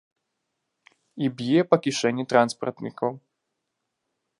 І б'е па кішэні транспартнікаў.